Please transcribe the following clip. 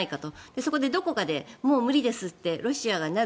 そこでどこかでもう無理ですってロシアがなる。